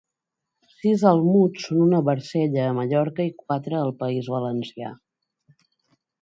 Sis almuds són una barcella a Mallorca i quatre al País Valencià.